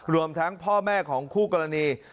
รวมทั้งพ่อแม่ของคู่กรณี